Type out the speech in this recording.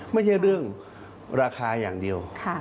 ไม่ใช่เรื่องราคาอย่างเดียว